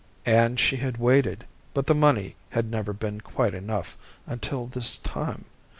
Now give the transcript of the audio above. _ And she had waited, but the money had never been quite enough until this time.